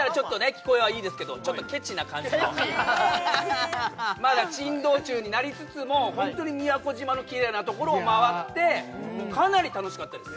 聞こえはいいですけどちょっとケチな感じのケチ珍道中になりつつもホントに宮古島のキレイなところを回ってかなり楽しかったです